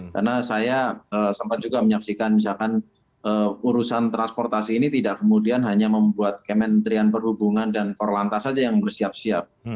karena saya sempat juga menyaksikan misalkan urusan transportasi ini tidak kemudian hanya membuat kementrian perhubungan dan korlantas saja yang bersiap siap